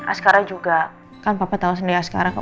askarah juga kan papa tau sendiri askarah